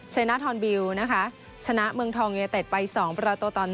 เชนธอนบิวนะคะชนะเมืองทองเยเตศไป๒ประตูต่อ๑